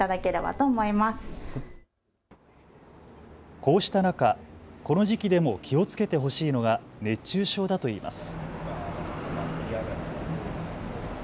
こうした中、この時期でも気をつけてほしいのが熱中症だといいます。